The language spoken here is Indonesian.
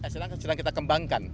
sekarang kita kembangkan